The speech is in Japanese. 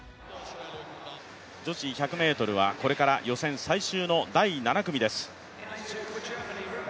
女子１００ｍはこれから予選最終の第７組です。